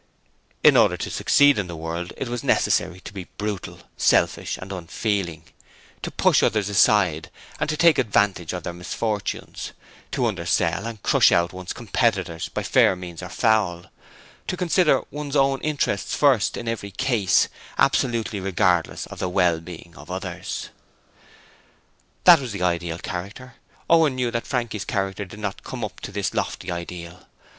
In order to succeed in the world it was necessary to be brutal, selfish and unfeeling: to push others aside and to take advantage of their misfortunes: to undersell and crush out one's competitors by fair means or foul: to consider one's own interests first in every case, absolutely regardless of the wellbeing of others. That was the ideal character. Owen knew that Frankie's character did not come up to this lofty ideal.